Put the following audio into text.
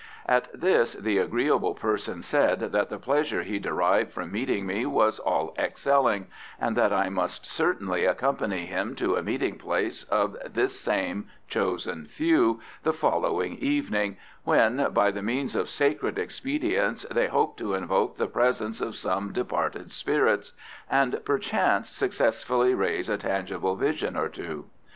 At this, the agreeable person said that the pleasure he derived from meeting me was all excelling, and that I must certainly accompany him to a meeting place of this same chosen few the following evening, when, by the means of sacred expedients, they hoped to invoke the presence of some departed spirits, and perchance successfully raise a tangible vision or two.